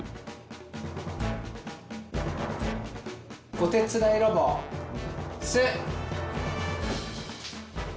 おてつだいロボ「す」。